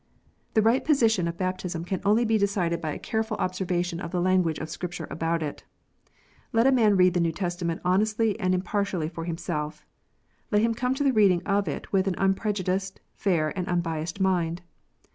The right position of baptism can only be decided by a careful observation of the language of Scripture about it. Let a man read the Kew Testament honestly and impartially for himself. Let him come to the reading of it with an unprejudiced, fair, and unbiassed mind.